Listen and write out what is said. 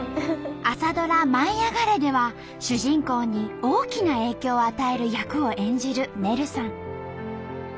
朝ドラ「舞いあがれ！」では主人公に大きな影響を与える役を演じるねるさん。